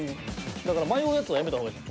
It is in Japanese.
だから迷うやつはやめた方がいい。